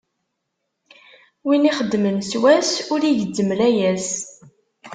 Win ixeddmen s wass, ur igezzem layas.